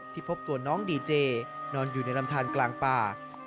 พบตัวน้องดีเจนอนอยู่ในลำทานกลางป่า